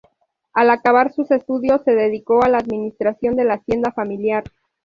Al acabar sus estudios se dedicó a la administración de la hacienda familiar.